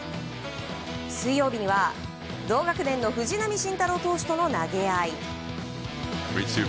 水曜日には同学年の藤浪晋太郎投手との投げ合い。